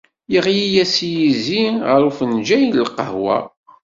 Yeɣli-as yizi ar ufenǧal n lqahwa.